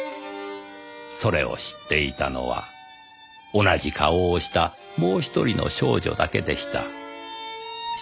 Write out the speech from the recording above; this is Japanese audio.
それを知っていたのは同じ顔をしたもう１人の少女だけでした。